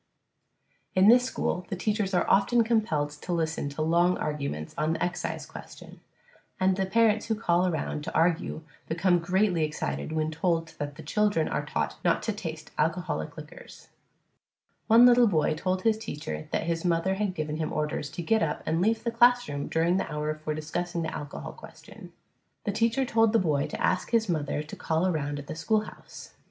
In this school the teachers are often compelled to listen to long arguments on the excise question, and the parents who call around to argue become greatly excited when told that the children are taught not to taste alcoholic liquors. One little boy told his teacher that his mother had given him orders to get up and leave the classroom during the hour for discussing the alcohol question. The teacher told the boy to ask his mother to call around at the schoolhouse.